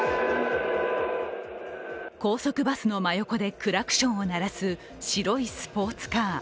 高速バスの真横でクラクションを鳴らす白いスポーツカー。